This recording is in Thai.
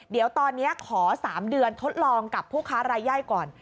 เดี๋ยวตอนนี้ขอ๓เดือนทดลองกับผู้ค้ารายย่อยก่อน